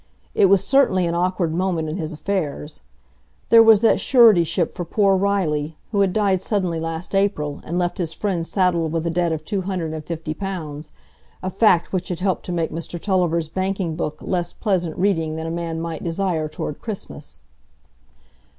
It was certainly an awkward moment in his affairs. There was that suretyship for poor Riley, who had died suddenly last April, and left his friend saddled with a debt of two hundred and fifty pounds,—a fact which had helped to make Mr Tulliver's banking book less pleasant reading than a man might desire toward Christmas.